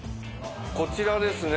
こちらですね。